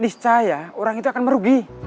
niscaya orang itu akan merugi